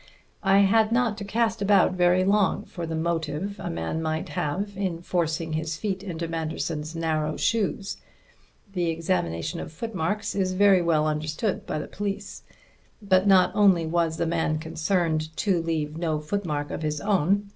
I had not to cast about very long for the motive a man might have in forcing his feet into Manderson's narrow shoes. The examination of footmarks is very well understood by the police. But not only was the man concerned to leave no footmarks of his own.